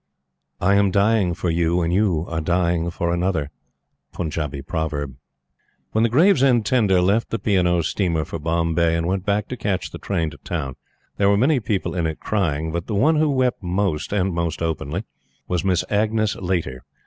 I am dying for you, and you are dying for another. Punjabi Proverb. When the Gravesend tender left the P. & O. steamer for Bombay and went back to catch the train to Town, there were many people in it crying. But the one who wept most, and most openly was Miss Agnes Laiter.